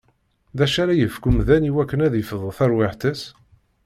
D acu ara yefk umdan iwakken ad d-ifdu tarwiḥt-is?